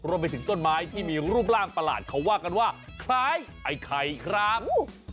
รวมไปถึงต้นไม้ที่มีรูปร่างประหลาดเขาว่ากันว่าคล้ายไอ้ไข่ครับ